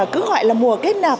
cứ gọi là mùa kết nạp